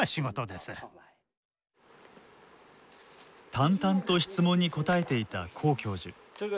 淡々と質問に答えていた黄教授。